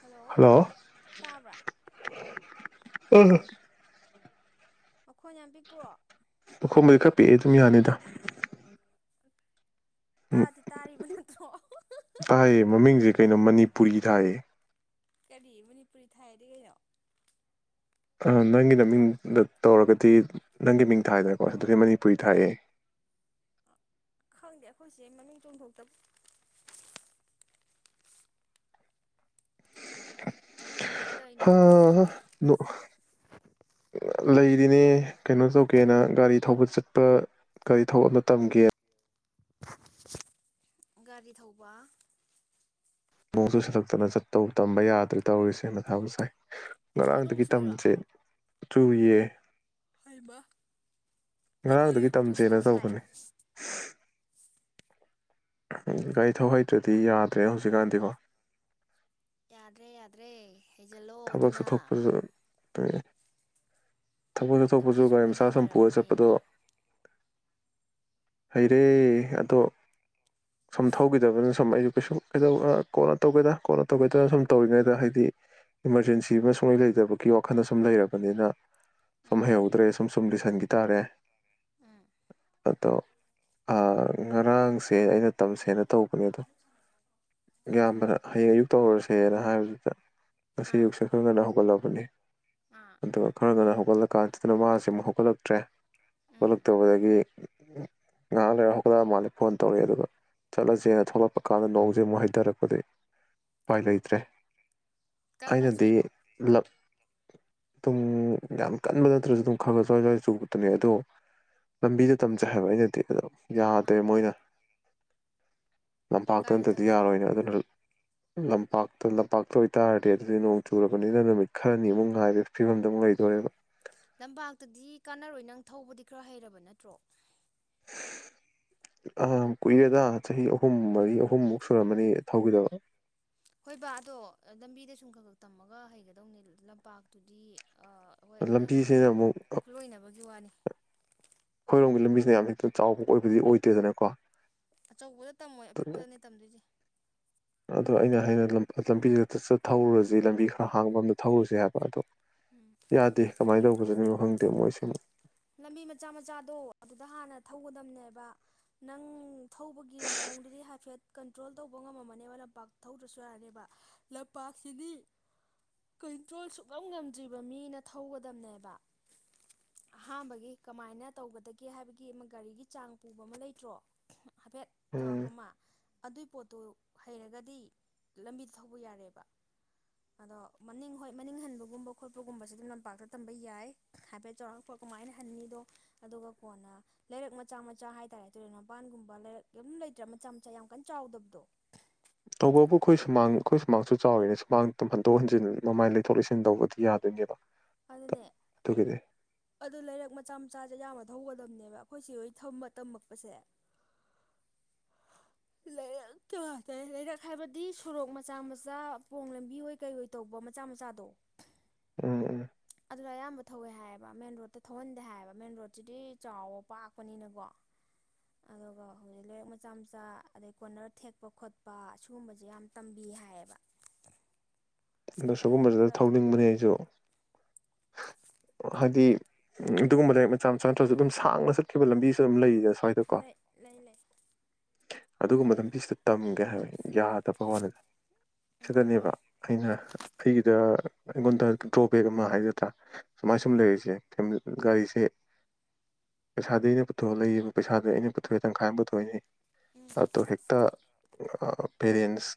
Hello hello! ꯇꯥꯕ꯭ꯔꯥ [unintelligible] ꯝꯈꯣꯟ ꯌꯥꯝ ꯄꯤꯛꯄ꯭ꯔꯣ? ꯃꯥꯈꯣꯟꯕꯨꯗꯤ ꯈꯥ ꯄꯤꯛꯑꯦ ꯑꯗꯨꯝ ꯌꯥꯅꯤꯗ꯫ ꯎꯝ ꯇꯥꯗꯤ ꯇꯥꯔꯤꯕ ꯅꯠꯇ꯭ꯔꯣ ꯇꯥꯏꯌꯦ ꯃꯃꯤꯡꯁꯦ ꯀꯩꯅꯣ ꯃꯅꯤꯄꯨꯔꯤ ꯊꯥꯏꯌꯦ꯫ ꯀꯔꯤ ꯃꯅꯤꯄꯨꯔꯤ ꯊꯥꯏꯗꯤ ꯀꯩꯅꯣ? ꯑ ꯅꯪꯒꯤꯅ ꯃꯤꯡꯗ ꯇꯧꯔꯒꯗꯤ ꯅꯪꯒꯤ ꯃꯤꯡ ꯊꯥꯏꯗꯅꯀꯣ ꯑꯁꯤꯗꯤ ꯃꯅꯤꯄꯨꯔꯤ ꯊꯥꯏꯌꯦ꯫ ꯈꯪꯗꯦ ꯑꯩꯈꯣꯏꯁꯦ ꯃꯃꯤꯡ ꯆꯣꯡꯊꯣꯛꯇ ꯀꯩꯗꯧꯔꯤꯅꯣ ꯍꯥ ꯍꯥ ꯅꫭꯛ ꯂꯩꯔꯤꯅꯦ ꯀꯩꯅꯣ ꯇꯧꯒꯦꯅ ꯒꯥꯔꯤ ꯊꯧꯕ ꯆꯠꯄ ꯒꯥꯔꯤ ꯊꯧꯕꯗ ꯇꯝꯒꯦ ꯒꯥꯔꯤ ꯊꯧꯕ ꯅꯣꯡꯁꯨ ꯁꯊꯛꯇꯅ ꯆꯠꯇꯧ ꯇꯝꯕ ꯌꯥꯗ꯭ꯔꯦ ꯇꯧꯔꯤꯁꯦꯅ ꯊꯥꯕ ꯁꯥꯏ꯫ ꯍꯧꯖꯤꯛ ꯅꯣꯡ ꯉꯔꯥꯡꯗꯒꯤ ꯆꯨꯏꯔꯣ ꯇꯝꯁꯦ ꯆꯨ ꯌꯦ꯫ ꯍꯥꯏꯔꯤꯕ ꯉꯔꯥꯡꯗꯒꯤ ꯑꯩꯈꯣꯏꯒꯤꯗꯤ ꯅꯨꯡꯁꯥ ꯇꯝꯁꯦꯅ ꯁꯥꯏ꯫ ꯇꯧꯕꯅꯦ ꯒꯥꯔꯤ ꯊꯧꯍꯩꯇ꯭ꯔꯗꯤ ꯌꯥꯗ꯭ꯔꯦ ꯍꯧꯖꯤꯛꯀꯥꯟꯗꯤꯀꯣ꯫ ꯌꯥꯗ꯭ꯔꯦ-ꯌꯥꯗ꯭ꯔꯦ꯫ ꯊꯕꯛꯁꯨ ꯊꯣꯛꯄꯁꯨ [unintelligible] ꯊꯕꯛ ꯆꯠꯊꯣꯛꯄꯁꯨ ꯅꯨꯄꯤꯁꯨ ꯒꯥꯔꯤ ꯂꯣꯏ ꯃꯆꯥ ꯁꯨꯝ ꯄꯨꯔꯒ ꯍꯩꯅꯔꯕꯅꯦ ꯆꯠꯄꯗꯣ ꯍꯩꯔꯦ ꯑꯗꯣ ꯁꯨꯝ ꯊꯧꯈꯤꯗꯕꯅꯤꯅ ꯁꯨꯝ ꯑꯩꯁꯨ ꯀꯩꯁꯨ ꯀꯩꯗ ꯀꯣꯟꯅ ꯇꯧꯒꯦꯗ ꯀꯣꯟꯅ ꯇꯧꯒꯦꯗꯅ ꯁꯨꯝ ꯇꯧꯔꯤꯉꯩꯗ ꯍꯩꯗꯤ ꯏꯃꯥꯔꯖꯦꯟꯁꯤ ꯑꯃ ꯁꯨꯡꯂꯩ ꯂꯩꯇꯕꯒꯤ ꯋꯥꯈꯜ ꯁꯨꯝ ꯂꯩꯔꯕꯅꯤꯅ ꯁꯨꯝ ꯎꯝ ꯍꯩꯍꯧꯗ꯭ꯔꯦ꯫ ꯁꯨꯝ ꯁꯨꯝ ꯂꯤꯁꯟꯈꯤ ꯇꯥꯔꯦ꯫ ꯎꯝ ꯑꯗꯣ ꯑ ꯉꯔꯥꯡꯁꯦ ꯑꯩꯅ ꯇꯝꯁꯦꯅ ꯇꯧꯕꯅꯦ ꯑꯗꯣ ꯏꯌꯥꯝꯕꯅ ꯍꯌꯦꯡ ꯑꯌꯨꯛ ꯇꯧꯔꯨꯔꯁꯦꯅ ꯍꯥꯏꯕꯗꯨꯗ ꯉꯁꯤ ꯑꯥ ꯑꯌꯨꯛꯁꯦ ꯈꯔ ꯉꯟꯅ ꯍꯧꯒꯠꯂ ꯕꯅꯦ ꯑꯥ ꯑꯗꯨꯒ ꯈꯔ ꯉꯟꯅ ꯍꯧꯒꯠꯂ ꯀꯥꯟꯁꯤꯗꯅ ꯃꯥꯁꯦ ꯑꯃꯛ ꯍꯧꯒꯠꯂꯛꯇ꯭ꯔꯦ ꯎꯝ ꯑꯣꯠꯂꯛꯛꯇꯕꯗꯒꯤ ꯉꯥꯏꯍꯥꯛ ꯂꯩꯔ ꯍꯧꯒꯠꯂꯛꯑ ꯃꯥꯜꯂꯦ ꯐꯣꯟ ꯇꯧꯔꯛꯑꯦ ꯑꯗꯨꯒ ꯆꯠꯂꯁꯦꯅ ꯊꯣꯛꯂꯛꯄ ꯀꯥꯟꯗ ꯅꯣꯡꯁꯦ ꯑꯃꯨꯛ ꯍꯩꯊꯔꯛꯄꯗꯩ ꯎꯄꯥꯏ ꯂꯩꯇ꯭ꯔꯦ꯫ ꯀꯔꯝ ꯀꯥꯟ ꯑꯩꯅꯗꯤ ꯆꯨꯏꯅꯣ ꯂꯞ ꯑꯗꯨꯝ ꯌꯥꯝ ꯀꯟꯕ ꯅꯠꯇ꯭ꯔꯁꯨ ꯑꯗꯨꯝ ꯈꯔ ꯈ ꯁꯣꯏꯖꯣꯏ ꯆꯨꯕꯗꯨꯅꯦ ꯑꯗꯣ ꯂꯝꯕꯤꯗ ꯇꯝꯖꯩ ꯍꯥꯏꯕ ꯑꯩꯩꯅꯠꯇꯦ ꯑꯗꯣ ꯑꯥ ꯌꯥꯗ꯭ꯔꯦ ꯑꯥ ꯃꯣꯏꯅ ꯀꯥꯏꯗ ꯂꯝꯄꯥꯛꯇꯅꯇꯗꯤ ꯇꯝꯁꯦ ꯍꯥꯏꯕ ꯌꯥꯔꯣꯏꯅ ꯑꯗꯨꯅ ꯂꯝ ꯄꯥꯛꯇ ꯂꯝꯄꯥꯛꯇ ꯑꯣꯏꯇꯥꯔ ꯇꯦ ꯑꯗꯨꯗꯤ ꯅꯣꯡ ꯆꯨꯔꯕꯅꯤꯅ ꯅꯨꯃꯤꯠ ꯈꯔꯅꯤꯃꯨꯛ ꯉꯥꯏꯕꯦ ꯐꯤꯕꯗ ꯑꯃꯨꯛ ꯂꯩꯗꯣꯔꯦꯕ꯫ ꯂꯝꯄꯥꯛꯇꯗꯤ ꯀꯥꯟꯅꯔꯣꯏ ꯅꯪ ꯊꯧꯕꯗꯤ ꯈꯔ ꯍꯩꯔꯕ ꯅꯠꯇ꯭ꯔꯣ꯫ ꯑꯥ ꯀꯨꯏꯔꯦꯗ ꯆꯍꯤ ꯑꯍꯨꯝ ꯃꯔꯤ ꯑꯍꯨꯝꯃꯨꯛ ꯁꯨꯔꯝꯃꯅꯤ ꯊꯧꯈꯤꯗꯕ꯫ ꯍꯣꯏ ꯕꯥ ꯑꯗꯣ ꯂꯝꯕꯤꯗ ꯁꯨꯝ ꯈꯛ ꯈꯛ ꯇꯝꯃꯒ ꯍꯩꯒꯗꯧꯅꯦ ꯂꯝꯄꯥꯛꯇꯨꯗꯤ ꯍꯣꯏ ꯅꯪ ꯂꯝꯕꯤꯁꯤꯅ ꯀꯩꯅꯣ ꯑꯃꯨꯛ ꯈꯨꯂꯣꯏꯅꯕꯒꯤ ꯋꯥꯅꯤ ꯑꯩꯣꯏꯔꯣꯝꯒꯤ ꯂꯝꯕꯤꯁꯤꯅ ꯌꯥꯝ ꯍꯦꯛꯇ ꯆꯥꯎꯕ ꯑꯣꯏꯕꯗꯤ ꯑꯣꯏꯗꯦꯗꯅꯀꯣ ꯑꯆꯧꯕꯗ ꯇꯝꯃꯣꯏ ꯑꯗꯨꯅ ꯑꯄꯤꯛꯄꯗꯅꯦ ꯇꯝꯗꯣꯏꯁꯦ ꯑꯗꯣ ꯑꯩꯅ ꯑꯩꯅ ꯂꯝꯕꯤꯁꯤꯗ ꯆꯠ ꯊꯧꯔꯨꯔꯁꯤ ꯂꯝꯕꯤ ꯈꯔ ꯍꯥꯡꯕ ꯑꯝꯗ ꯊꯧꯔꯨꯁꯤ ꯍꯥꯏꯕ ꯑꯗꯣ ꯌꯥꯗꯦ ꯀꯃꯥꯏ ꯂꯧꯧ ꯐꯖꯅꯨ ꯈꯪꯗꯦ ꯃꯣꯏꯁꯦ ꯂꯝꯕꯤ ꯃꯆꯥ ꯃꯆꯥꯗꯣ ꯑꯗꯨꯗ ꯍꯥꯟꯅ ꯊꯧꯒꯗꯝꯕꯅꯦꯕ ꯅꯪ ꯊꯧꯕꯒꯤ ꯃꯑꯣꯡꯗꯨꯗꯤ ꯍꯥꯏꯐꯦꯠ ꯀꯟꯇ꯭ꯔꯣꯜ ꯇꯧꯕ ꯉꯝꯃꯝꯃꯅꯦꯕ ꯂꯝꯄꯥꯛ ꯊꯧꯗ꯭ꯔꯁꯨ ꯌꯥꯔꯅꯦꯕ ꯂꯝꯄꯥꯛꯁꯤꯗꯤ ꯀꯟꯇ꯭ꯔꯣꯜ ꯁꯨꯅꯝ ꯉꯝꯗ꯭ꯔꯤꯕ ꯃꯤꯅ ꯊꯧꯒꯗꯝꯕꯅꯦꯕ ꯑꯍꯥꯥꯟꯕꯒꯤ ꯀꯃꯥꯏꯅ ꯇꯧꯒꯗꯒꯦ ꯍꯥꯏꯕꯒꯤ ꯑꯃ ꯒꯥꯔꯤꯒꯤ ꯆꯥꯡ ꯄꯨꯕ ꯑꯃ ꯂꯩꯇ꯭ꯔꯣ ꯍꯥꯏꯐꯦꯠ ꯆꯥꯎꯧꯔꯥꯛꯄ ꯎꯝ ꯑꯃ ꯑꯗꯨꯏ ꯄꯣꯠꯇꯨ ꯍꯩꯔꯒꯗꯤ ꯂꯝꯕꯤꯗ ꯊꯧꯕ ꯌꯥꯔꯦꯕ ꯑꯗꯣ ꯃꯅꯤꯡ ꯍꯣꯏ ꯃꯅꯤꯡ ꯍꯟꯕꯒꯨꯝꯕ ꯈꯣꯠꯄꯒꯨꯝꯕꯁꯦ ꯑꯗꯨꯝ ꯂꯝꯄꯥꯛꯇ ꯇꯝꯕ ꯌꯥꯏ ꯍꯥꯏꯐꯦꯠ ꯆꯥꯎꯔꯥꯛ ꯀꯃꯥꯏꯅ ꯍꯟꯅꯤꯗꯣ ꯑꯗꯨꯒ ꯀꯣꯟꯅ ꯂꯩꯔꯛ ꯃꯆꯥ ꯃꯆꯥ ꯍꯥꯏꯇꯥꯔꯦ ꯇꯨꯔꯦꯜ ꯃꯄꯥꯟꯒꯨꯝꯕ ꯂꯩꯔꯛ ꯑꯗꯨꯝ ꯂꯩꯇ꯭ꯔꯥ ꯃꯆꯥ ꯃꯆꯥ ꯌꯥꯝ ꯀꯟꯅ ꯆꯥꯎꯗꯕꯗꯣ ꯇꯧꯕꯕꯨ ꯑꯩꯈꯣꯏ ꯁꯨꯃꯥꯡ ꯑꯩꯈꯣꯏ ꯁꯨꯃꯥꯡꯁꯨ ꯆꯥꯎꯋꯤꯅꯦ ꯁꯨꯃꯥꯡ ꯑꯗꯨꯝ ꯍꯟꯗꯣꯛ ꯍꯟꯖꯤꯟ ꯃꯃꯥꯏ ꯂꯩꯊꯣꯛ ꯂꯩꯁꯤꯟ ꯇꯧꯕꯗꯤ ꯌꯥꯗꯣꯏꯅꯦꯕ ꯑꯗꯨꯅꯦ ꯑꯗꯨꯒꯤꯗꯤ ꯑꯗꯨ ꯂꯩꯔꯛ ꯃꯆꯥ ꯃꯆꯥꯁꯦ ꯌꯥꯝꯃꯗ ꯊꯧꯒꯗꯕꯅꯦꯕ ꯑꯩꯈꯣꯏ ꯁꯤ ꯍꯣꯏ ꯊꯝꯕ ꯇꯝꯃꯛꯄꯁꯦ ꯂꯩꯔꯛ ꯀꯩ ꯍꯥꯏꯇꯔꯦ ꯂꯩꯔꯛ ꯍꯥꯏꯕꯗꯤ ꯁꯣꯔꯣꯛ ꯃꯆꯥ ꯃꯆꯥ ꯄꯣꯡ ꯂꯝꯕꯤ ꯍꯣꯏ ꯀꯩꯍꯣꯏ ꯇꯧꯕ ꯃꯆꯥ ꯃꯆꯥꯗꯣ ꯎꯝ ꯎꯝ ꯑꯗꯨꯗ ꯑꯌꯥꯝꯕ ꯊꯧꯋꯦ ꯍꯥꯏꯌꯦꯕ ꯃꯦꯟ ꯔꯣꯗꯠꯇ ꯊꯧꯍꯟꯗꯦ ꯍꯥꯏꯌꯦꯕ ꯃꯦꯟ ꯔꯣꯗꯁꯤꯗꯤ ꯆꯥꯎꯕ ꯄꯥꯛꯄꯅꯤꯅꯀꯣ ꯑꯗꯨꯒ ꯍꯧꯖꯤꯛ ꯂꯩꯔꯛ ꯃꯆꯥ ꯃꯆꯥ ꯑꯗꯩ ꯀ ꯀꯣꯔꯅꯔ ꯊꯦꯛꯄ ꯈꯣꯠꯄ ꯁꯤꯒꯨꯝꯕꯁꯦ ꯌꯥꯝ ꯇꯝꯕꯤ ꯍꯥꯏꯌꯦꯕ ꯑ ꯑꯩꯁꯨ ꯁꯤꯨꯒꯨꯝꯕꯁꯤꯗ ꯈꯔ ꯊꯧ ꯊꯧꯅꯤꯡꯕꯅꯤ ꯑꯩꯁꯨ ꯍꯥꯏꯗꯤ ꯑꯗꯨꯒꯨꯝꯕ ꯂꯥꯏꯔꯤꯛ ꯃꯆꯥ ꯃꯆꯥ ꯅꯠꯇ꯭ꯔꯁꯨ ꯑꯗꯨꯝ ꯁꯥꯡꯅ ꯆꯠꯈꯤꯕ ꯂꯝꯕꯤꯁꯨ ꯑꯗꯨꯝ ꯂꯩꯌꯦ ꯂꯩ ꯂꯩ ꯂꯩ ꯑꯗꯨꯒꯨꯝ ꯃꯇꯝꯗꯤ ꯁꯤꯗ ꯇꯝꯒꯦ ꯍꯥꯏꯕꯅꯤ ꯌꯥꯗꯕ ꯋꯥꯅꯤꯗ ꯎꯝ ꯁꯤꯗꯅꯦꯕ ꯑꯩꯅ ꯑꯩꯒꯤꯗ ꯑꯩꯉꯣꯟꯗ ꯗ꯭ꯔꯣꯕꯦꯛ ꯑꯃ ꯍꯥꯏꯒꯗ꯭ꯔꯥ ꯁꯨꯃꯥꯏꯅ ꯁꯨꯝ ꯎꯝ ꯂꯩꯔꯤꯁꯦ ꯒꯥꯔꯤꯁꯦ ꯄꯩꯁꯥꯗꯤ ꯑꯩꯅ ꯄꯨꯊꯣꯛꯑ ꯂꯩꯌꯦꯕ ꯄꯩꯁꯥꯗꯤ ꯑꯩꯅ ꯄꯨꯊꯣꯛꯑꯦ ꯇꯪꯈꯥꯏ ꯑꯃ ꯄꯨꯊꯣꯛꯏꯅꯦ ꯎꯝ ꯑ ꯇꯣ ꯍꯦꯛꯇ ꯄꯦꯔꯦꯟꯁ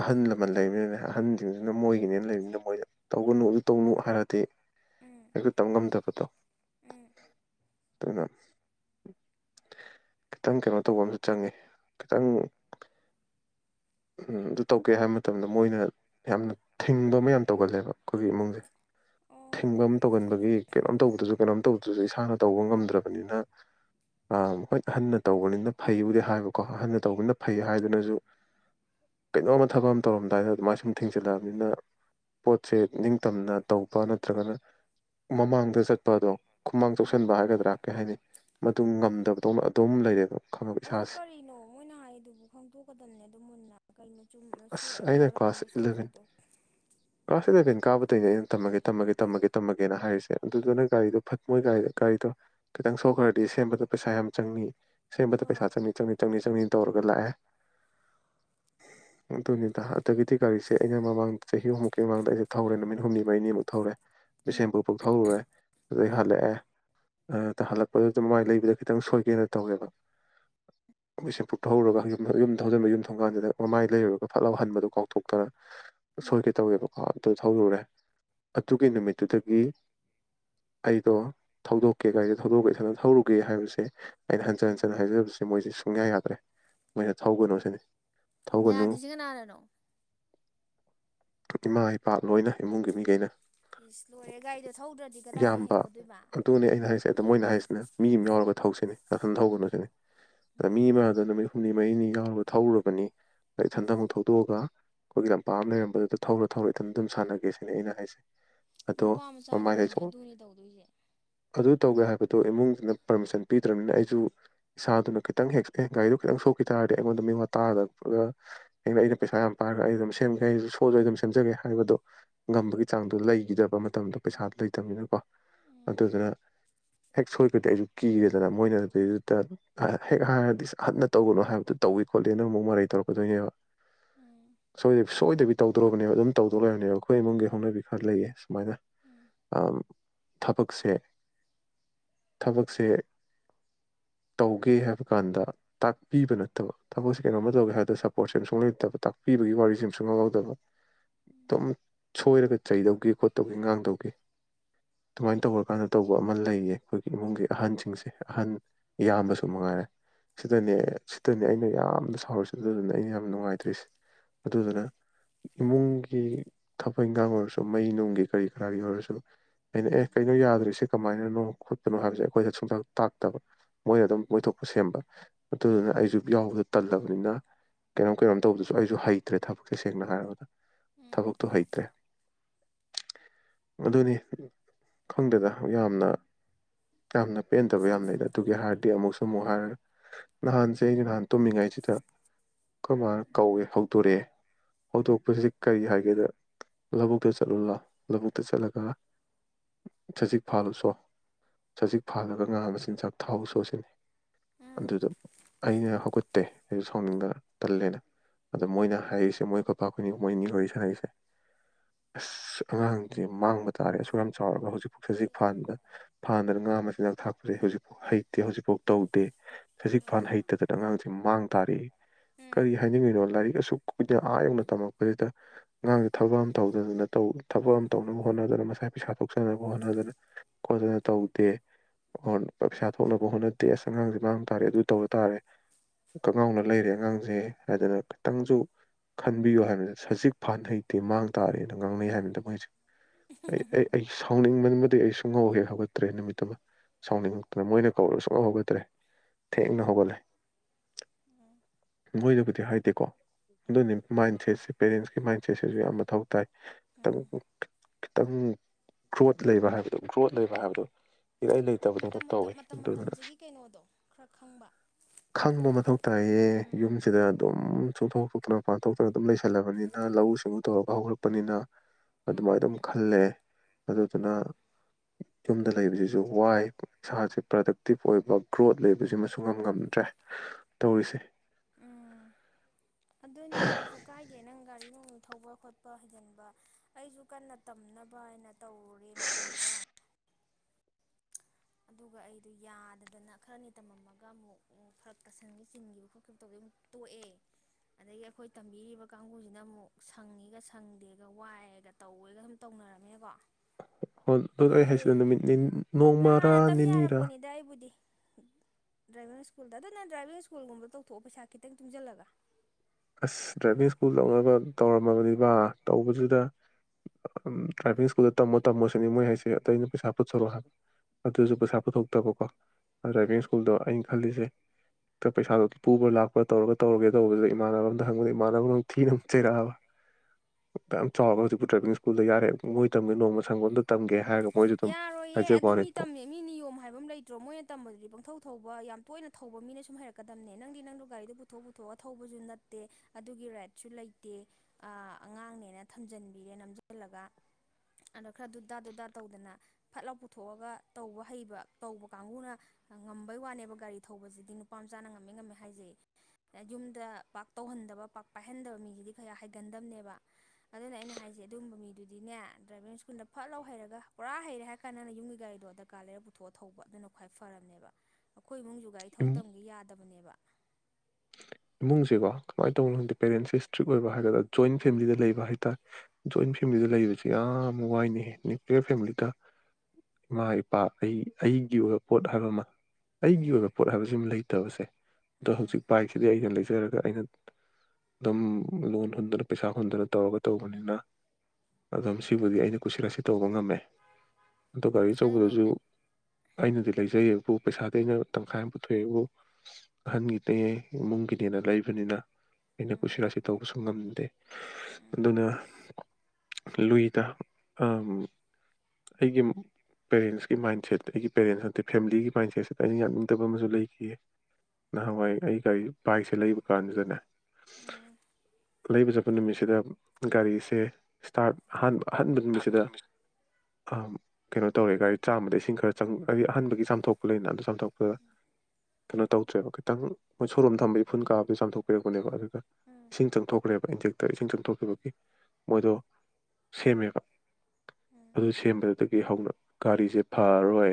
ꯑꯍꯜ ꯂꯃꯟ ꯂꯩꯕꯅꯤꯅꯦ ꯑꯍꯟꯁꯤꯡꯁ ꯑꯗꯨꯅ ꯃꯣꯏꯒꯤꯅꯦꯅ ꯂꯩꯕꯅꯤꯗ ꯃꯣꯏꯗ ꯇꯧꯒꯅꯨ ꯑꯗꯨ ꯇꯧꯅꯨ ꯍꯥꯏꯔꯗꯤ ꯎꯝ ꯑꯩ ꯇꯧ ꯉꯝꯗꯕꯗꯣ ꯎꯝ ꯑꯗꯨꯅ ꯈꯤꯇꯪ ꯀꯩꯅꯣ ꯇꯧꯕ ꯑꯃꯁꯁꯨ ꯆꯪꯉꯦ ꯈꯤꯇꯪ ꯑꯗꯨ ꯇꯧꯒꯦ ꯍꯥꯏꯕ ꯃꯇꯝꯗ ꯃꯣꯏꯅ ꯌꯥꯝꯅ ꯊꯤꯡꯕ ꯑꯃ ꯌꯥꯝ ꯇꯧꯒꯜꯂꯦꯕ ꯑꯩꯈꯣꯏꯒꯤ ꯏꯃꯨꯡꯁꯦ ꯑꯣ ꯊꯤꯡꯕ ꯑꯃ ꯇꯧꯒꯟꯕꯒꯤ ꯀꯩꯅꯣꯝ ꯇꯧꯕꯗꯁꯨ ꯀꯩꯅꯣꯝ ꯇꯧꯗꯁꯨ ꯏꯁꯥꯅ ꯇꯧꯕ ꯉꯝꯗ꯭ꯔꯕꯅꯤꯅ ꯍꯣꯏ ꯑꯍꯟꯅ ꯇꯧꯕꯅꯤꯅ ꯐꯩꯕꯨꯗꯤ ꯍꯥꯏꯕꯀꯣ ꯑꯍꯟꯅ ꯇꯧꯕꯅꯤꯅ ꯐꯩ ꯍꯥꯏꯗꯨꯅꯁꯨ ꯀꯩꯅꯣꯝꯃ ꯊꯕꯛ ꯑꯃ ꯇꯧꯔꯝꯗꯥꯏꯗ ꯑꯗꯨꯃꯥꯏꯅ ꯁꯨꯝ ꯊꯤꯡꯖꯤꯜꯂꯛꯑꯕꯅꯤꯅ ꯄꯣꯠꯁꯦ ꯅꯤꯡꯇꯝꯅ ꯇꯧꯕ ꯅꯠꯇ꯭ꯔꯒꯅ ꯃꯃꯥꯡꯗ ꯆꯠꯄ ꯑꯗꯣ ꯈꯨꯃꯥꯡ ꯎꯝ ꯆꯥꯎꯁꯟꯕ ꯍꯥꯏꯒꯗ꯭ꯔꯥ ꯀꯩ ꯍꯥꯏꯅꯤ ꯃ ꯉꯝꯗꯕꯗꯧꯅ ꯑꯗꯨꯝ ꯂꯩꯔꯦꯗꯣ ꯈꯪꯉꯕ ꯑꯗꯨ ꯏꯁꯥꯁꯦ ꯀꯔꯤꯅꯣ ꯃꯣꯏꯅ ꯍꯥꯏꯗꯨꯕꯨ ꯈꯪꯗꯣꯛꯀꯗꯕꯅꯦ ꯑꯗꯨ ꯃꯨꯟꯅ ꯀꯩꯅꯣ ꯏꯂꯥꯕꯦꯟ [unintelligible] ꯁꯣꯏꯕꯗꯣ ꯀꯂ꯭ꯥꯁ ꯏꯂꯕꯦꯟ ꯀꯥꯕꯗꯩꯅ ꯑꯩꯅ ꯇꯝꯃꯒꯦ ꯇꯝꯃꯒꯦꯝꯃꯒꯦ ꯇꯝꯃꯒꯦꯅ ꯍꯥꯏꯔꯤꯁꯦ ꯑꯗꯨꯗꯨꯅ ꯒꯥꯔꯤꯗꯣ ꯐꯠ ꯃꯣꯏ ꯒꯥꯔꯤꯗ ꯒꯥꯔꯤꯗꯣ ꯈꯤꯇꯪ ꯁꯣꯛꯈ꯭ꯔꯗꯤ ꯁꯦꯝꯕꯗ ꯄꯩꯁꯥ ꯌꯥꯝ ꯆꯪꯅꯤ ꯁꯦꯝꯕꯗ ꯑꯥ ꯄꯩꯁꯥ ꯆꯪꯅꯤ ꯆꯪꯅꯤ ꯆꯪꯅꯤ ꯆꯪꯅꯤ ꯇꯧꯔꯒ ꯂꯥꯛꯑ ꯑꯗꯨꯅꯤꯗ ꯑꯗꯒꯤꯗꯤ ꯒꯥꯔꯤꯁꯦ ꯑꯩꯅ ꯃꯃꯥꯡꯗ ꯆꯍꯤ ꯍꯨꯝꯃꯨꯛꯀꯤ ꯃꯃꯥꯡꯗ ꯑꯩꯁꯦ ꯊꯧꯔꯦ ꯅꯨꯃꯤꯠ ꯍꯨꯝꯅꯤ ꯃꯔꯤꯅꯤꯃꯨꯛ ꯊꯧꯔꯦ ꯕꯤꯁꯦꯝꯄꯨꯔ ꯐꯧ ꯊꯧꯔꯨꯔꯦ ꯑꯗꯨꯗ ꯑꯩ ꯍꯜꯂꯛꯑꯦ ꯍꯜꯂꯛꯄꯗꯨꯗ ꯃꯥꯏ ꯂꯩꯕꯗ ꯈꯤꯇꯪ ꯁꯣꯏꯒꯦꯅ ꯇꯧꯋꯦꯕ ꯕꯤꯁꯦꯝꯄꯨꯔ ꯊꯧꯔꯒ ꯌ ꯌꯨꯝ ꯊꯧꯖꯤꯟꯕ ꯌꯨꯝ ꯊꯣꯡ ꯀꯥꯟꯁꯤꯗ ꯃꯃꯥꯏ ꯂꯩꯔꯨꯔꯒ ꯐꯠꯂꯥꯎ ꯍꯟꯕꯗꯣ ꯀꯥꯎꯊꯣꯛꯇꯅ ꯎꯝ ꯁꯣꯏꯒꯦ ꯇꯧꯋꯦꯕꯀꯣ ꯊꯧꯔꯨꯔꯦ ꯑꯗꯨꯒꯤ ꯅꯨꯃꯤꯠꯇꯨꯗꯒꯤ ꯑꯩꯗꯣ ꯊꯧꯗꯣꯛꯀꯦ ꯒꯔꯤꯗꯣ ꯊꯧꯗꯣꯛꯑꯥꯒꯥ ꯏꯊꯟ ꯊꯧꯔꯨꯒꯦ ꯍꯥꯏꯕꯁꯦ ꯑꯩꯅ ꯍꯟ ꯍꯟ ꯍꯥꯏꯖꯔꯕꯁꯦ ꯃꯣꯏꯁꯦ ꯄꯪꯌꯥ ꯌꯥꯗ꯭ꯔꯦ ꯃꯣꯏꯅ ꯊꯧꯒꯅꯨ ꯁꯤꯅꯤ ꯊꯧꯒꯅꯨ ꯌꯥꯗꯔꯤꯁꯤ ꯀꯅꯥꯅꯅꯣ ꯏꯃꯥ ꯏꯄꯥ ꯂꯣꯏꯅ ꯏꯃꯨꯡꯒꯤ ꯃꯤꯈꯩꯅ ꯏꯁ ꯂꯣꯏꯔꯦ ꯒꯥꯔꯤꯗꯣ ꯊꯧꯗ꯭ꯔꯗꯤ ꯀꯗꯥꯏꯗ ꯌꯥꯝꯕ ꯍꯩꯔꯛꯀꯗꯣꯏꯕ ꯑꯗꯨꯅꯦ ꯑꯩꯅ ꯍꯥꯏꯁꯦ ꯑꯗꯨ ꯃꯣꯏꯅ ꯍꯥꯏꯁꯤꯅ ꯃꯤ ꯑꯃ ꯌꯥꯎꯔꯒ ꯊꯧꯁꯤꯅꯤ ꯅꯊꯟ ꯊꯧꯒꯅꯣ ꯁꯤꯅꯤ ꯑꯗꯣ ꯎꯝ ꯃꯤ ꯑꯃꯥ ꯍꯥꯌꯗꯣ ꯅꯨꯃꯤ ꯍꯨꯝꯅꯤ ꯃꯔꯤꯅꯤ ꯌꯥꯑꯣꯔꯒ ꯊꯧꯔꯨꯔꯕꯅꯤ ꯏꯊꯟꯗ ꯑꯃꯨꯛ ꯊꯧꯗꯣꯛꯑꯒ ꯑꯩꯈꯣꯏꯒꯤ ꯂꯝꯄꯥꯛ ꯑꯃ ꯂꯩꯔꯝꯕꯗꯨꯗ ꯊꯧꯔ ꯊꯧꯔ ꯏꯊꯟꯇ ꯑꯗꯨꯝ ꯁꯥꯟꯅꯒꯦ ꯁꯤꯅꯤ ꯑꯩꯅ ꯍꯥꯏꯁꯦ ꯑꯗꯣ ꯅꯨꯄꯥ ꯃꯆꯥꯅꯤ ꯃꯃꯥꯏ ꯀꯩꯅꯣ ꯂꯩꯊꯣꯛ ꯑꯗꯨꯅꯤ ꯇꯧꯗꯣꯏꯁꯦ ꯑꯗꯨ ꯇꯧꯒꯦ ꯍꯥꯏꯕꯗꯣ ꯏꯃꯨꯡꯗꯨꯅ ꯄꯔꯃꯤꯁꯟ ꯄꯤꯗ꯭ꯔꯕꯅꯤꯅ ꯑꯩꯁꯨ ꯏꯁꯥꯗꯨꯅ ꯈꯤꯇꯪ ꯍꯦꯛꯇꯦ ꯒꯥꯔꯤꯗꯨꯣ ꯈꯤꯇꯪ ꯁꯣꯛꯈꯤ ꯇꯥꯔꯗꯤ ꯑꯩꯉꯣꯟꯗ ꯃꯤꯉꯣꯟ ꯇꯥꯔꯒ ꯑꯗꯨꯒ ꯍꯦꯩꯅ ꯑꯩꯅ ꯄꯩꯁꯥ ꯌꯥꯝ ꯄꯥꯏꯔꯒ ꯑꯩ ꯑꯗꯨꯝ ꯁꯦꯝꯒꯦ ꯑꯩꯁꯨ ꯁꯣꯖ ꯑꯗꯨꯝ ꯁꯦꯝꯖꯒꯦ ꯍꯥꯏꯕꯗꯣ ꯉꯝꯕꯒꯤ ꯆꯥꯡꯗꯣ ꯂꯩꯈꯤꯗꯕ ꯃꯇꯝꯗꯣ ꯄꯩꯁꯥꯗꯨ ꯂꯩꯇꯕꯅꯤꯅꯀꯣ ꯎꯝ ꯑꯗꯨꯗꯨꯅ ꯍꯦꯛ ꯁꯣꯏꯈꯗꯤ ꯑꯩꯁꯨ ꯀꯤꯔꯦꯗꯅ ꯃꯣꯏꯅ ꯑꯗꯨꯩꯗꯨꯗ ꯍꯦꯛ ꯍꯥꯏꯔꯗꯤꯍꯟꯅ ꯇꯧꯒꯅꯨ ꯍꯥꯏꯕꯗꯨꯣ ꯇꯧꯋꯤ ꯈꯣꯠꯂꯤ ꯑꯗꯨ ꯑꯃꯨꯛ ꯃꯔꯩ ꯇꯧꯔꯛꯀꯗꯣꯏꯅꯦꯕ ꯎꯝ ꯁꯣꯏ ꯁꯣꯏꯗꯕꯤ ꯇꯧꯗꯣꯕꯅꯦꯕ ꯑꯗꯨꯝ ꯇꯧꯗꯣ ꯂꯩꯕꯅꯦꯕ ꯑꯩꯈꯣꯏ ꯏꯃꯨꯡꯒꯤ ꯍꯧꯅꯕꯤ ꯈꯔ ꯂꯩꯌꯦ ꯑꯥꯗꯨꯃꯥꯏꯟ ꯌꯥꯝ ꯊꯕꯛꯁꯦ ꯊꯕꯛꯁꯦ ꯇꯧꯒꯦ ꯍꯥꯏꯕ ꯀꯥꯟꯗ ꯇꯥꯛꯄꯤꯕ ꯅꯠꯇꯕ ꯊꯕꯛꯁꯦ ꯀꯩꯅꯣꯝ ꯇꯧꯒꯦ ꯍꯥꯏꯕ ꯑ ꯁꯞꯄꯣꯔꯠꯁꯦ ꯁꯨꯡ ꯂꯩꯇꯕ ꯇꯥꯛꯄꯤꯕꯒꯤ ꯋꯥꯔꯤꯁ ꯋꯥꯔꯤꯁꯤꯃ ꯁꯨꯪꯌꯥꯑꯣ ꯌꯥꯏꯗꯕ ꯎꯝ ꯑꯗꯨꯝ ꯁꯣꯏꯔꯒ ꯆꯩꯗꯧꯒꯤ ꯈꯣꯠꯇꯧꯒꯤ ꯉꯥꯡꯗꯧꯒꯤ ꯑꯗꯨꯃꯥꯏꯅ ꯇꯧꯒꯔ ꯀꯥꯟꯗ ꯇꯧꯕ ꯑꯃ ꯑꯃ ꯂꯩꯌꯦ ꯑꯩꯈꯣꯏꯒꯤ ꯏꯃꯨꯡꯒꯤ ꯑꯍꯟꯁꯤꯡꯁꯦ ꯑꯍꯟ ꯌꯥꯝꯌꯥꯝꯕꯁꯨ ꯃꯉꯥꯏꯔꯦ ꯁꯤꯗꯅꯦ ꯁꯤꯗꯅꯦ ꯑꯩꯅ ꯌꯥꯝꯅ ꯁꯥꯎꯔꯤꯁꯦ ꯑꯗꯨꯗꯨꯅ ꯑꯩꯅ ꯌꯥꯝ ꯅꯨꯡꯉꯥꯏꯇ꯭ꯔꯤꯁꯦ ꯑꯗꯨꯗꯨꯅ ꯏꯃꯨꯡꯒꯤ ꯊꯕꯛ ꯏꯪꯈꯥꯡ ꯑꯣꯏꯔꯁꯨ ꯃꯩ ꯅꯨꯡꯒꯤ ꯀꯔꯤ ꯀꯔꯥꯒꯤ ꯑꯣꯏꯔꯁꯨ ꯑꯩꯅ ꯑꯦ ꯀꯩꯅꯣ ꯌꯥꯗ꯭ꯔꯤꯁꯦ ꯀꯃꯥꯏꯅꯅꯣ ꯈꯣꯠꯄꯅꯣ ꯍꯥꯏꯕꯁꯦ ꯑꯩꯈꯣꯏꯗ ꯁꯨꯡꯇꯥꯛ ꯇꯥꯛꯇꯕ ꯃꯣꯏꯗ ꯑꯗꯨꯝ ꯑꯣꯏꯣꯏꯊꯣꯛꯄ ꯁꯦꯝꯕ ꯑꯗꯨꯗꯨꯅ ꯑꯩꯁꯨ ꯌꯥꯎꯕꯗ ꯇꯜꯂꯕꯅꯤꯅ ꯀꯩꯅꯣꯝ ꯀꯩꯅꯣꯝ ꯇꯧꯕꯗꯁꯨ ꯑꯩꯁꯨ ꯍꯩꯇ꯭ꯔꯦ ꯊꯕꯛꯁꯦ ꯁꯦꯡꯅ ꯍꯥꯏꯔꯕꯗ ꯎꯝ ꯊꯕꯛꯇꯣ ꯍꯩꯇ꯭ꯔꯦ ꯑꯗꯨꯅꯤ ꯈꯪꯗꯦꯗ ꯌꯥꯝꯅ ꯌꯥꯝꯅ ꯄꯦꯟꯗꯕ ꯌꯥꯝ ꯂꯩ ꯑꯗꯨꯒꯤ ꯍꯥꯏꯔꯗꯤ ꯑꯃꯨꯛꯁꯨ ꯑꯃꯨꯛ ꯍꯥꯏꯔ ꯅꯍꯥꯟꯁꯦ ꯑꯩꯩꯅ ꯅꯍꯥꯟ ꯇꯨꯝꯃꯤꯉꯩꯁꯤꯗ ꯀꯃꯥꯏꯅ ꯀꯧꯋꯦ ꯍꯧꯗꯣꯔꯛꯑꯦ ꯍꯧꯗꯣꯛꯄꯁꯤꯗ ꯀꯔꯤ ꯍꯥꯏꯒꯦꯗ ꯂꯧꯕꯨꯛꯇ ꯆꯠꯂꯨ ꯂꯥꯛꯑꯣ ꯂꯧꯕꯨꯛꯇ ꯆꯠꯂꯒ ꯁꯖꯤꯛ ꯐꯥꯜꯂꯨꯁꯣ ꯁꯖꯤꯛ ꯐꯥꯜꯂꯒ ꯉꯥ ꯃꯆꯤꯟꯖꯥꯛ ꯊꯥꯎ ꯁꯣ ꯁꯤꯅꯤ ꯎꯝ ꯎꯝ ꯑꯗꯨꯗ ꯑꯩꯅ ꯍꯧꯒꯠꯇꯦ ꯑꯩꯁꯨ ꯁꯥꯎꯅꯤꯡꯗ ꯇꯜꯂꯦꯅ ꯑꯗꯣ ꯃꯣꯏꯅ ꯍꯥꯏꯔꯤꯁꯦ ꯃꯣꯏ ꯀꯕꯥꯈꯣꯏꯅꯤ ꯃꯣꯏꯅꯤ ꯍꯣꯏꯔꯤꯁꯦ ꯍꯥꯏꯔꯤꯁꯦ ꯑꯁ ꯑꯉꯥꯡꯁꯦ ꯃꯥꯡꯕ ꯇꯥꯔꯦ ꯑꯁꯨꯛ ꯌꯥꯝ ꯆꯥꯎꯒ ꯍꯧꯖꯤꯛ ꯖꯤꯛ ꯐꯥꯟꯕ ꯐꯥꯟꯗꯟ ꯉꯥ ꯃꯆꯤꯅꯖꯥꯛ ꯊꯥꯛꯄꯅꯦ ꯍꯧꯖꯤꯛꯐꯥꯎ ꯍꯩꯇꯦ ꯍꯧꯖꯤꯛꯐꯥꯎ ꯇꯧꯗꯦ ꯁꯖꯤꯛ ꯐꯥꯟ ꯍꯩꯇꯗꯅ ꯑꯉꯥꯡꯁꯦ ꯃꯥꯡ ꯇꯥꯔꯦ꯫ ꯎꯝ ꯀꯔꯤ ꯍꯥꯏꯅꯤꯡꯉꯤꯅꯣ ꯂꯥꯏꯔꯤꯛ ꯑꯁꯨꯛ ꯀꯨꯏꯅ ꯑꯥ ꯌꯧꯅ ꯇꯝꯃꯛꯄꯁꯤꯗ ꯑꯉꯥꯡꯁꯦ ꯊꯕꯛ ꯑꯃ ꯇꯧꯗꯗꯅ ꯇꯧ ꯊꯕꯛ ꯑꯃ ꯇꯧꯅꯕ ꯍꯣꯠꯅꯗꯅ ꯃꯁꯥꯏ ꯄꯩꯁꯥ ꯊꯣꯛꯆꯅꯕ ꯍꯣꯠꯅꯗꯅ ꯈꯣꯠꯇꯅ ꯇꯧꯗꯦ ꯑꯣꯔ ꯄꯩꯁꯥ ꯊꯣꯛꯅꯕ ꯍꯣꯠꯅꯗꯦ ꯑꯁ ꯑꯉꯥꯡꯁꯦ ꯃꯥꯡ ꯇꯥꯔꯦ ꯑꯗꯨ ꯇꯧꯔ ꯇꯥꯔꯦ ꯀꯪꯉꯥꯎꯅ ꯂꯩꯔꯦ ꯑꯉꯥꯡ꯫ ꯁꯦ ꯍꯥꯏꯗꯅ ꯈꯤꯇꯪꯁꯨ ꯈꯟꯕꯤꯌꯨ ꯍꯥꯏꯕꯁ ꯁꯖꯤꯛ ꯐꯟ ꯍꯩꯇꯦ ꯃꯥꯡ ꯇꯥꯔꯦꯅ ꯉꯥꯡꯅꯩ ꯍꯥꯏꯕꯅꯤꯗ ꯃꯣꯏꯁꯦ ꯑꯩ ꯑꯩ ꯁꯥꯎꯅꯤꯡꯕ ꯑꯃꯗꯤꯗꯤ ꯑꯩ ꯁꯨꯡꯍꯧ ꯍꯦꯛ ꯍꯧꯒꯠꯇ꯭ꯔꯦ ꯅꯨꯃꯤꯠꯇ ꯑꯃ ꯁꯥꯎꯅꯤꯡꯉꯛꯇꯅ ꯃꯣꯏꯅ ꯀꯧꯔꯒ ꯁꯨꯡꯍꯧ ꯍꯧꯒꯠꯇ꯭ꯔꯦ ꯊꯦꯡꯅ ꯍꯧꯒꯠꯂꯦ꯫ ꯃꯣꯏꯅꯕꯨꯗꯤ ꯍꯥꯏꯗꯦꯀꯣ ꯑꯗꯨꯅꯤ ꯃꯥꯏꯟꯁꯦꯠꯁꯦ ꯄꯦꯔꯦꯟꯁꯀꯤ ꯃꯥꯏꯟꯁꯦꯠꯁꯤꯁꯨ ꯌꯥꯝ ꯃꯊꯧ ꯇꯥꯏ꯫ ꯇꯪ ꯎꯝ ꯈꯤꯇꯪ ꯒ꯭ꯔꯣꯠ ꯂꯩꯕ ꯍꯥꯏꯕꯗꯣ ꯒ꯭ꯔꯣꯠ ꯂꯩꯕ ꯍꯥꯏꯕꯗꯣ ꯏꯔꯥꯏ ꯍꯣꯏ ꯂꯩꯇꯕꯗꯧꯅ ꯃꯇꯝ ꯃꯇꯝ ꯇꯧꯋꯦ ꯃꯇꯝ ꯑꯗꯨꯅ ꯃꯇꯝꯁꯤꯒꯤ ꯀꯩꯅꯣꯗꯣ ꯈꯔ ꯈꯪꯕ ꯈꯪꯕ ꯃꯊꯧ ꯇꯥꯏꯌꯦ꯫ ꯎꯝ ꯅ ꯑꯗꯨꯝ ꯆꯣꯡꯊꯣꯛ ꯊꯣꯛꯇꯅ ꯄꯥꯡꯊꯣꯛꯇꯅ ꯑꯗꯨꯝ ꯂꯩꯁꯜꯂꯕꯅꯤꯅ ꯂꯧꯎ ꯁꯤꯡꯎ ꯇꯧꯔꯒ ꯍꯧꯔꯛꯄꯅꯤꯅ ꯑꯗꯨꯃꯥꯏ ꯎꯝ ꯑꯗꯨꯝ ꯈꯜꯂꯦ ꯑꯗꯨꯗꯨꯅ ꯎꯝ ꯌꯨꯝꯗ ꯂꯩꯕꯁꯤꯁꯨ ꯋꯥꯏ ꯏꯁꯥꯁꯦ ꯄ꯭ꯔꯗꯛꯇꯤꯞ ꯑꯣꯏꯕ ꯒ꯭ꯔꯣꯠ ꯂꯩꯕꯁꯤꯃꯁꯨ ꯉꯝ ꯉꯝꯗ꯭ꯔꯦ ꯇꯧꯔꯤꯁꯦ꯫ ꯎꯝ ꯑꯗꯨꯅꯦ ꯀꯩꯁꯨ ꯀꯥꯏꯗꯦ ꯅꯪ ꯒꯥꯔꯤ ꯅꯨꯡ ꯊꯧꯕ ꯈꯣꯠꯄ ꯍꯩꯖꯤꯟꯕ ꯑꯩꯁꯨ ꯀꯟꯅ ꯇꯝꯅꯕ ꯍꯥꯏꯅ ꯇꯧꯔꯨꯔꯦ ꯃꯇꯝ ꯈꯔ꯫ ꯑꯗꯨꯒ ꯑꯩꯗꯨ ꯌꯥꯗꯗꯅ ꯈꯔꯅꯤ ꯇꯝꯃꯝꯃꯒ ꯑꯃꯨꯛ ꯐꯔꯛ ꯇꯥꯁꯟꯒ ꯆꯤꯟꯒꯤꯕ ꯈꯣꯠꯈꯤꯕ ꯇꯧꯕꯩ ꯑꯃꯨꯛ ꯇꯣꯛꯑꯦ ꯑꯗꯒꯤ ꯑꯩꯈꯣꯏ ꯇꯝꯕꯤꯔꯤꯕ ꯀꯥꯡꯕꯨꯁꯤꯅ ꯑꯃꯨꯛ ꯁꯪꯏꯒ ꯁꯪꯗꯦꯒ ꯋꯥꯏꯑꯒ ꯇꯧꯋꯦꯒ ꯁꯨꯝ ꯇꯧꯅꯔꯝꯃꯦꯀꯣ꯫ ꯍ ꯑꯗꯨ ꯑꯩ ꯍꯥꯏꯁꯤꯗ ꯅꯨꯃꯤꯠ ꯅꯤ ꯅꯣꯡꯃ ꯍꯥꯥꯟꯅ ꯇꯝ ꯌꯥꯔꯄꯅꯤꯅꯦꯗ ꯑꯩꯕꯨ ꯗꯤ ꯗ꯭ꯔꯥꯏꯚꯤꯡ ꯁ꯭ꯀꯨꯜꯗ ꯑꯗꯨꯅ ꯗ꯭ꯔꯥꯏꯚꯤꯡ ꯁ꯭ꯀꯨꯜꯒꯨꯝꯕ ꯇꯧꯊꯣꯛꯑꯣ ꯄꯩꯁꯥ ꯈꯤꯇꯪ ꯇꯨꯡꯁꯤꯜꯂꯒ꯫ ꯑꯁ ꯗ꯭ꯔꯥꯏꯚꯤꯡ ꯁ꯭ꯀꯨꯜ ꯂꯧꯅꯕ ꯇꯧꯔꯝꯃꯕꯅꯤꯕꯥ ꯇꯧꯕꯗꯨꯗ ꯗ꯭ꯔꯥꯏꯚꯤꯡ ꯁ꯭ꯀꯨꯜꯗ ꯇꯝꯃꯣ-ꯇꯝꯃꯣ ꯁꯤꯅꯤ ꯃꯣꯏ ꯍꯥꯏꯁꯦ ꯑꯇꯩꯩꯅ ꯄꯩꯁꯥ ꯄꯨꯊꯣꯔꯣ ꯍꯥꯏꯕ ꯑꯗꯨꯁꯨ ꯄꯩꯁꯥ ꯄꯨꯊꯣꯛꯇꯕꯀꯣ꯫ ꯎꯝ ꯗ꯭ꯔꯥꯏꯕꯤꯡ ꯁ꯭ꯀꯨꯜꯗꯣ ꯑꯩꯅ ꯈꯜꯂꯤꯁꯦ ꯇ ꯄꯩꯁꯥꯗꫭ ꯑꯗꯨ ꯄꯨꯕ꯭ꯔꯥ ꯂꯥꯛꯄ ꯇꯧꯔꯒ ꯇꯧꯔꯒꯦ ꯇꯧꯕꯁꯤꯗ ꯏꯝ ꯏꯃꯥꯟꯅꯕ ꯑꯝꯗ ꯍꯪꯕꯗ ꯏꯃꯥꯟꯅꯕ ꯑꯃꯣꯝ ꯊꯤꯅ ꯑꯃ ꯆꯩꯔꯛꯑꯕ ꯗꯌꯥꯝ ꯆꯥꯎꯔꯒ ꯍꯧꯖꯤꯛꯄꯨ ꯇ꯭ꯔꯥꯏꯕꯤꯡ ꯁ꯭ꯀꯨꯜꯗ ꯌꯥꯔꯦ ꯃꯣꯏ ꯇꯝꯃꯦ ꯅꯣꯡꯃ ꯁꯪꯕꯃꯗ ꯇꯝꯒꯦ ꯍꯥꯏꯔꯒ ꯃꯣꯏꯁꯨ ꯑꯗꯨꯝ ꯌꯥꯔꯣꯏꯌꯦ ꯍꯥꯏꯖꯕ ꯑꯗꯨ ꯋꯥꯅꯤ ꯃꯤ ꯇꯣ ꯇꯝꯃꯦ ꯃꯤ ꯅꯤꯌꯣꯝ ꯍꯥꯏꯕ ꯑꯃ ꯂꯩꯇ꯭ꯔꯣ ꯃꯣꯏꯅ ꯇꯝꯕꯗꯨꯗꯤ ꯄꯪꯊꯧ ꯊꯧꯕ ꯌꯥꯝ ꯇꯣꯏꯅ ꯊꯧꯕ ꯃꯤꯅ ꯁꯨꯝ ꯍꯩꯔꯛꯀꯗꯝꯅꯦ ꯅꯪꯗꯤ ꯅꯪꯗꫭ ꯒꯥꯔꯤꯗꯣ ꯄꯨꯊꯣꯛ ꯄꯨꯊꯣꯛꯑ ꯊꯧꯕꯁꯨ ꯅꯠꯇꯦ ꯑꯗꯨꯒꯤ ꯔꯥꯏꯠꯁꯨ ꯂꯩꯇꯦ ꯑꯥ ꯑꯉꯥꯡꯅꯦꯅ ꯊꯝꯖꯟꯕꯤꯔꯦ ꯅꯝꯁꯤꯜꯂꯒ ꯑꯗꯣ ꯈꯔ ꯗꯨꯗꯥ-ꯗꯨꯗꯥ ꯇꯧꯗꯅ ꯐꯠ ꯂꯥꯎ ꯄꯨꯊꯣꯛꯑꯒ ꯇꯧꯕ ꯍꯩꯕ ꯇꯧꯕ ꯀꯥꯡꯕꯨꯅ ꯉꯝꯕꯩ ꯋꯥꯅꯦꯕ ꯒꯥꯔꯤ ꯊꯧꯕꯁꯤꯗꯤ ꯅꯨꯄꯥ ꯃꯆꯥꯅ ꯉꯝꯃꯦ-ꯉꯝꯃꯦ ꯍꯥꯏꯖꯦ ꯑ ꯌꯨꯝꯗ ꯄꯥꯛ ꯇꯧꯍꯟꯗꯕ ꯄꯥꯛ ꯄꯥꯏꯍꯟꯗꯕ ꯃꯤꯁꯤꯗꯤ ꯈꯌꯥ ꯍꯩꯒꯟꯗꯕꯅꯦꯕ ꯑꯗꯨꯅ ꯑꯩꯅ ꯍꯥꯏꯖꯩ ꯑꯗꯨꯒꯨꯝꯕ ꯃꯤꯗꯨꯗꯤꯅꯦ ꯗ꯭ꯔꯥꯏꯚꯤꯡ ꯁ꯭ꯀꯨꯜꯗ ꯐꯠ ꯂꯥꯎ ꯍꯩꯔꯒ ꯄꯨꯔꯥ ꯍꯩꯔꯦ ꯍꯥꯏꯔ ꯀꯥꯟꯗꯅ ꯌꯨꯝꯒꯤ ꯒꯥꯔꯤꯗꯣ ꯗꯔꯀꯥꯔ ꯂꯩꯔꯒ ꯄꯨꯊꯣꯛꯑ ꯊꯧꯕ ꯑꯗꯨꯅ ꯈ꯭ꯋꯥꯏ ꯐꯔꯕꯅꯦꯕ꯫ ꯑꯩꯈꯣꯏ ꯏꯃꯨꯡꯁꯨ ꯒꯥꯔꯤ ꯊꯧ ꯏꯃꯨꯡ ꯇꯝꯒꯦ ꯌꯥ ꯇꯕꯅꯦꯕ ꯏꯃꯨꯡꯁꯦꯀꯣ ꯀꯃꯥꯏꯅ ꯇꯧꯕꯅꯣ ꯈꯪꯗꯦ ꯄꯦꯔꯦꯟꯁꯁꯦ ꯏꯁꯇ꯭ꯔꯤꯛ ꯑꯣꯏꯕ ꯍꯥꯏꯒꯗ꯭ꯔꯥ ꯖꯣꯏꯟ ꯐꯦꯃꯤꯂꯤꯗ ꯂꯩꯕ ꯍꯥꯏ ꯇꯥꯔꯦ ꯖꯣꯏꯟ ꯐꯦꯃꯤꯂꯤꯗ ꯂꯩꯕꯁꯦ ꯌꯥꯝ ꯋꯥꯏꯅꯦ ꯅꯦꯄ꯭ꯂꯤꯌꯔ ꯐꯦꯃꯤꯂꯤꯗ ꯏꯃꯥ ꯏꯄꯥ ꯑꯩ ꯑꯩꯒꯤ ꯑꯣꯏꯕ ꯄꯣꯠ ꯍꯥꯏꯕ ꯑꯃ ꯑꯩꯒꯤ ꯎꯝ ꯑꯣꯏꯕ ꯄꯣꯠ ꯍꯥꯏꯕꯁꯤꯃ ꯂꯩ꯫ ꯇꯕꯁꯦ ꯗꫭ ꯍꯧꯖꯤꯛ ꯎꯝ ꯕꯥꯏꯛ ꯑꯩꯅ ꯂꯩꯖꯔꯒ ꯑꯩꯅ ꯑꯗꯨꯝ ꯂꯣꯟ ꯍꯨꯟꯗꯨꯅ ꯄꯩꯁꯥ ꯍꯨꯟꯗꯨꯅ ꯇꯧꯔꯒ ꯇꯧꯕꯅꯤꯅ ꯑꯗꯨꯝ ꯁꯤꯕꯨꯗꯤ ꯑꯩꯅ ꯀꯁꯤꯂꯥꯁꯤ ꯇꯧꯕ ꯉꯝꯃꯦ ꯑꯗꯣ ꯒꯥꯔꯤ ꯑꯗꯨꯅꯦ ꯑꯆꯧꯕꯗꯁꯨ ꯑꯩꯅꯗꯤ ꯂꯩꯖꯑꯦꯕꯨ ꯄꯩꯁꯥꯗꯤ ꯑꯩꯅ ꯇꯪꯈꯥꯏ ꯑꯃ ꯄꯨꯊꯣꯛꯑꯦꯕꯨ ꯑꯍꯟꯒꯤꯅꯦ ꯏꯃꯨꯡꯒꯤꯅꯦꯅ ꯂꯩꯕꯅꯤꯅ ꯑꯩꯅ ꯀꯨꯠꯁꯤ ꯔꯥꯁꯤ ꯇꯧꯕꯁꯨ ꯉꯝꯗꯦ ꯑꯗꯨꯅ ꯂꯨꯏꯗ ꯑꯩꯒꯤ ꯄꯦꯔꯦꯟꯁꯀꯤ ꯃꯥꯏꯟꯁꯦꯠ ꯑꯩꯒꯤ ꯄꯦꯔꯦꯟꯁ ꯅꯠꯇꯦ ꯐꯦꯃꯤꯂꯤꯒꯤ ꯃꯥꯏꯟꯁꯦꯠꯁꯤꯗ ꯑꯩꯅ ꯌꯥꯅꯤꯡꯗꯕ ꯑꯃꯁꯨ ꯂꯩꯈꯤꯌꯦ ꯅꯍꯥꯟꯋꯥꯏ ꯑꯩ ꯑꯩ ꯕꯥꯏꯛꯁꯦ ꯂꯩꯕ ꯀꯥꯟꯁꯤꯗꯅꯦ ꯂꯩꯕ ꯆꯠ ꯅꯨꯃꯤꯠꯁꯤꯗ ꯒꯥꯔꯤꯁꯦ ꯏꯁ꯭ꯇꯥꯔꯠ ꯑꯍꯥꯟꯕ ꯑꯍꯥꯟꯕ ꯅꯨꯃꯤꯠꯁꯤꯗ ꯀꯩꯅꯣ ꯇꯧꯔꯦ ꯒꯥꯔꯤ ꯆꯥꯝꯕꯗ ꯏꯁꯤꯡ ꯈꯔ ꯆꯪ ꯑꯍꯟꯥꯕꯒꯤ ꯆꯥꯝꯊꯣꯛꯄ ꯂꯩꯅ ꯑꯗꯨ ꯆꯥꯝꯊꯣꯛꯄꯗ ꯀꯩꯅꯣ ꯇꯧꯗ꯭ꯔꯦꯕ ꯈꯤꯇꯪ ꯃꯣꯏ ꯁꯣꯔꯣꯝ ꯊꯝꯕꯩ ꯎꯏꯐꯨꯟ ꯀꯥꯅꯩ ꯆꯥꯝꯊꯣꯛꯄꯤꯔꯛꯄꯅꯦꯕ ꯑꯗꯨ ꯎꯝ ꯏꯁꯤꯡ ꯆꯪꯊꯣꯛꯈ꯭ꯔꯦꯕ ꯏꯟꯖꯤꯟ ꯍ ꯏꯁꯤꯡ ꯆꯪꯊꯣꯛꯈꯤꯕꯒꯤ ꯃꯣꯏꯗꯣ ꯁꯦꯝꯃꯦꯕ ꯎꯝ ꯑꯗꯨ ꯁꯦꯝꯕ ꯗꯨꯗ ꯍꯧꯅ ꯒꯥꯔꯤꯁꯦ ꯐꯔꯔꯣꯏ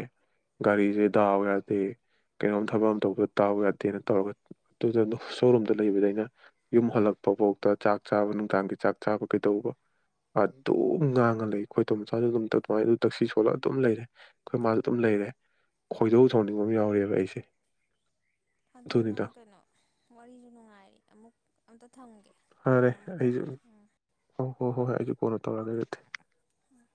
ꯒꯥꯔꯤꯁꯦ ꯇꯥꯕ ꯌꯥꯗꯦ ꯀꯩꯅꯣꯝ ꯊꯕꯛ ꯑꯃ ꯇꯧꯕꯗ ꯇꯥꯕ ꯌꯥꯗꯦꯅ ꯇꯧꯔꯒ ꯑꯗꯨꯗ ꯁꯣꯔꯨꯝꯗ ꯂꯩꯕꯗ ꯑꯩꯅ ꯌꯨꯝ ꯍꯜꯂꯛꯄ ꯐꯥꯎꯗ ꯆꯥꯛ ꯆꯥꯕ ꯅꯨꯡꯗꯥꯡꯒꯤ ꯆꯥꯛ ꯆꯥꯕ ꯀꯩꯗꯧꯕ ꯑꯗꯨꯝ ꯉꯥꯡꯉ ꯂꯩ ꯈꯣꯏꯇꯣꯝ ꯃꯆꯥꯁꯨ ꯑꯗꯨꯝ ꯑꯗꯨꯃꯥꯏꯅ ꯑꯗꯨ ꯇꯛꯁꯤ ꯁꯣꯜꯂꯒ ꯑꯗꯨꯝ ꯂꯩꯔꯦ ꯑꯩꯈꯣꯏ ꯃꯥꯁꯨ ꯑꯗꯨꯝ ꯂꯩꯔꯦ ꯈꯣꯏꯗꯧ ꯁꯣꯡꯅꯤꯡꯕ ꯑꯃ ꯌꯥꯎꯔꯤꯑꯕ ꯑꯩꯁꯦ ꯑꯗꯣ ꯑꯗꯨꯅꯤꯗ ꯅꯡ ꯀꯩꯅꯣ ꯋꯥꯔꯤꯁꯨ ꯅꯨꯡꯉꯥꯏ ꯑꯃꯨꯛ ꯑ [unintelligible] ꯐꯔꯦ ꯑꯩꯁꯨ ꯍ ꯍꯣ ꯍꯣꯏ ꯍꯣꯏ ꯀꯣꯟꯅ ꯇꯧꯔꯒ ꯑꯗꯨꯗꯤ ꯎꯝ